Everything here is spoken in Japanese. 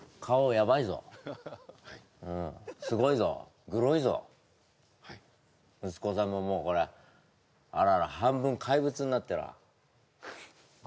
ヤバいぞはいうんすごいぞグロいぞはい息子さんももうこれあらあら半分怪物になってらあ